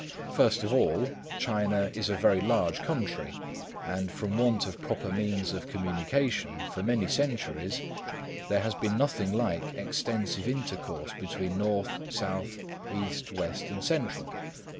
First of all, China is a very large country, and from want of proper means of communication for many centuries, there has been nothing like extensive intercourse between North, South, East, West, and Central.